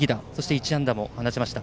１安打も放ちました。